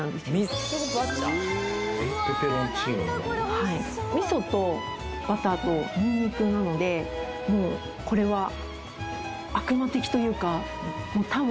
はい味噌とバターとニンニクなのでもうこれはというかもう多分